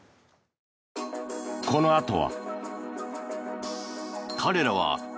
このあとは。